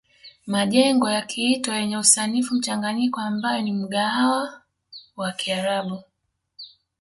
Majengo yakiitwa yenye usanifu mchanganyiko ambayo ni mgahawa wa kiarabu